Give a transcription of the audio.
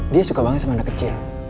dia suka banget sama anak kecil